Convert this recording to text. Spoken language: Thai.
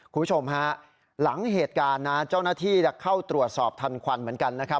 คุณผู้ชมฮะหลังเหตุการณ์นะเจ้าหน้าที่เข้าตรวจสอบทันควันเหมือนกันนะครับ